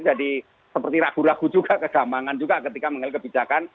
seperti ragu ragu juga kegambangan juga ketika mengambil kebijakan